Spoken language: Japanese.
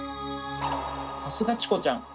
さすがチコちゃん！